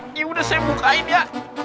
ini udah saya bukain ya